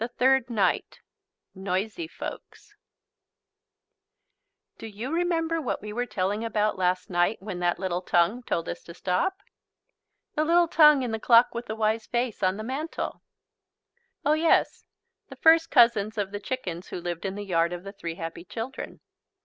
THIRD NIGHT NOISY FOLKS Do you remember what we were telling about last night when that little tongue told us to stop? The little tongue in the Clock with the Wise Face on the mantel? Oh yes, the first cousins of the chickens who lived in the yard of the three happy children.